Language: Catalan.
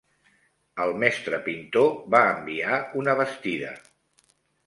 El mestre pintor va enviar una bastida